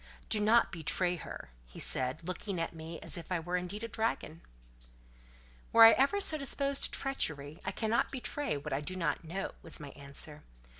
"Do not betray her," he said, looking at me as if I were indeed a dragon. "Were I ever so disposed to treachery, I cannot betray what I do not know," was my answer.